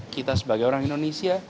kita sebagai orang indonesia